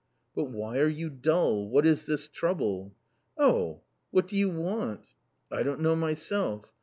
" But why are you dull ? What is this trouble ?"" Oh ...."" What do you want ?"" I don't know myself."